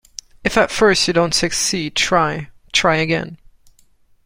If at first you don't succeed, try, try again.